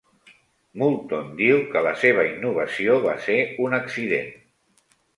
Moulton diu que la seva innovació va ser un accident.